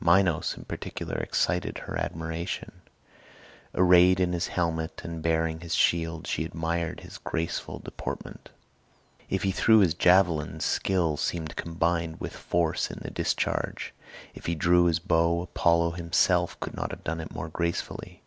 Minos, in particular, excited her admiration. Arrayed in his helmet, and bearing his shield, she admired his graceful deportment; if he threw his javelin skill seemed combined with force in the discharge; if he drew his bow Apollo himself could not have done it more gracefully.